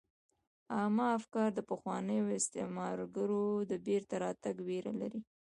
عامه افکار د پخوانیو استعمارګرو د بیرته راتګ ویره لري